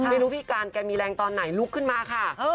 ไม่รู้พี่การแกมีแรงตอนไหนลุกขึ้นมาค่ะ